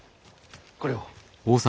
これを。